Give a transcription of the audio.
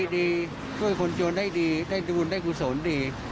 ดีช่วยคนโจรได้ดีได้ดุลได้ผู้สมดี